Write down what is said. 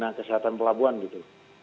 nah kesehatan pelabuhan gitu